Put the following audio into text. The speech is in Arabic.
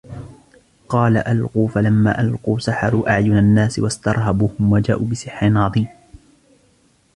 قال ألقوا فلما ألقوا سحروا أعين الناس واسترهبوهم وجاءوا بسحر عظيم